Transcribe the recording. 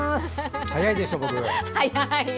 早いでしょ、僕。